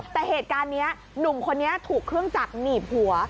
แต่เหตุการณ์นี้หนุ่มคนนี้ถูกเครื่องจักรหนีบหัว